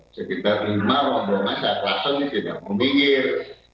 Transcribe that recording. sekitar lima rombongan saya langsung tidak memikir